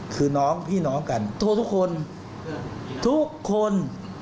คือน้องพี่น้องกันโทรทุกคนทุกคน